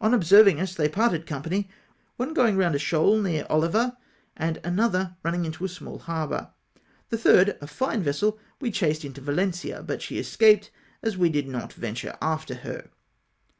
On observing us they parted company, one going round a shoal near Oliva, and another running into a small harbour. The third, a fine vessel, we chased into Valencia, but she escaped, as we did not venture after her.